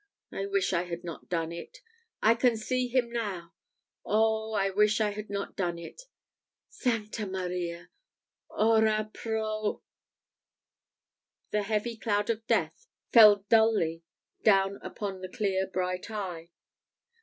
I wish I had not done it I can see him now! Oh, I wish I had not done it Sancta Maria! ora pro " The heavy cloud of death fell dully down upon the clear bright eye.